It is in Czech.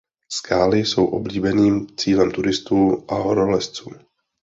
Skály jsou oblíbeným cílem turistů a horolezců.